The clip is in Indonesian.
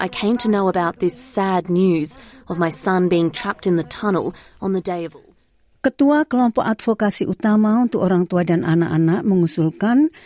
ketua kelompok advokasi utama untuk orang tua dan anak anak mengusulkan